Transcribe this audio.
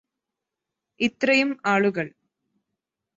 ഇത്രയും ആളുകള്